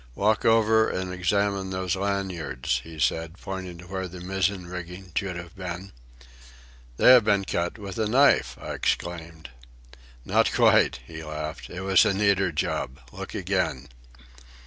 "Walk over and examine those lanyards," he said, pointing to where the mizzen rigging should have been. "They have been cut with a knife!" I exclaimed. "Not quite," he laughed. "It was a neater job. Look again."